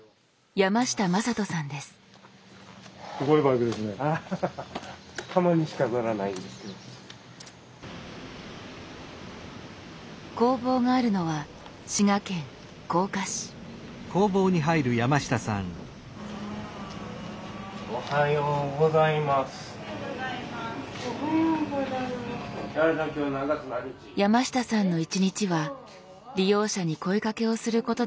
山下さんの一日は利用者に声かけをすることで始まります。